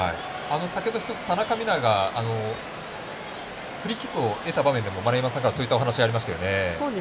先ほど一つ、田中美南がフリーキックを得た場面でも丸山さんからそういったお話がありましたよね。